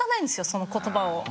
その言葉を。